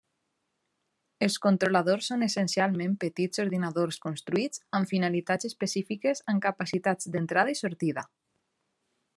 Els controladors són essencialment petits ordinadors construïts amb finalitats específiques amb capacitats d'entrada i sortida.